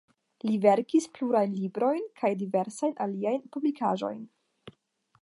Li komencis sian aktoran karieron en Teatro Szigligeti (Szolnok).